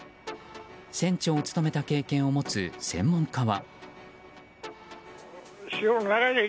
船長を務めた経験を持つ専門家は。